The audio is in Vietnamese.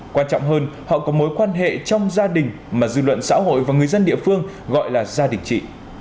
quan trọng hơn họ có mối quan hệ trong gia đình mà dư luận xã hội và người dân địa phương gọi là gia đình chị